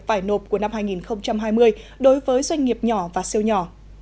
phải nộp của năm hai nghìn hai mươi đối với doanh nghiệp nhỏ và siêu nhỏ